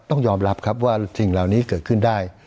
ต้องยอมรับครับว่าสิ่งเหล่านี้เกิดขึ้นได้